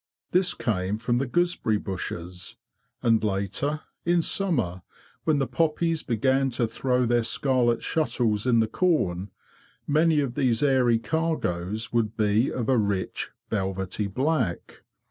This came from the gooseberry bushes. And later, iri summer, when the poppies began to throw their scarlet shuttles in the corn, many of these airy cargoes would be of a rich velvety black.